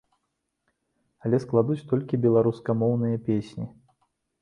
Яе складуць толькі беларускамоўныя песні.